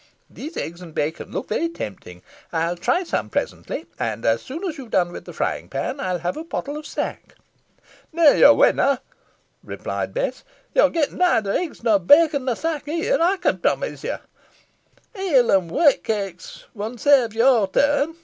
Those eggs and bacon look very tempting. I'll try some presently; and, as soon as you've done with the frying pan, I'll have a pottle of sack." "Neaw, yo winna," replied Bess. "Yo'n get nother eggs nor bacon nor sack here, ey can promise ye. Ele an whoat kekes mun sarve your turn.